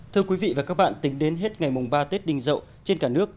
thưa quý vị và các bạn tính đến hết ngày ba tết đinh dậu trên cả nước